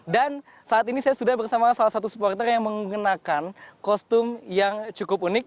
dan saat ini saya sudah bersama salah satu supporter yang menggunakan kostum yang cukup unik